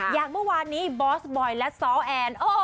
อย่างเมื่อวานนี้บอสบอยและซ้อแอน